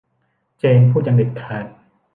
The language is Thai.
เจนพูดอย่างเด็ดขาด